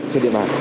trên địa bàn